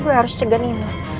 gue harus cegah nino